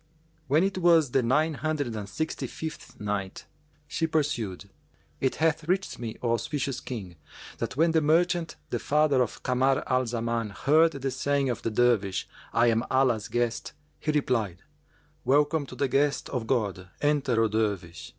When it was the Nine Hundred and Sixty fifth Night, She pursued, It hath reached me, O auspicious King, that when the merchant, the father of Kamar al Zaman, heard the saying of the Dervish, "I am Allah's guest," he replied, "Welcome to the guest of God: enter, O Dervish!"